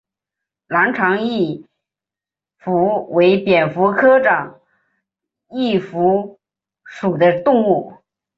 南长翼蝠为蝙蝠科长翼蝠属的动物。